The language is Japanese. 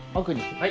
はい。